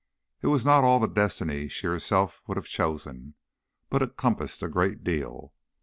It was not all the destiny she herself would have chosen, but it compassed a great deal.